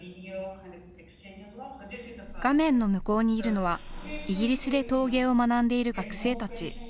画面の向こうにいるのはイギリスで陶芸を学んでいる学生たち。